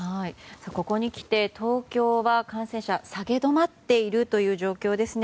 ここにきて東京は感染者下げ止まっている状況ですね。